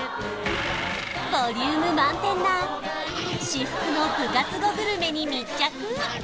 ボリューム満点な至福の部活後グルメに密着！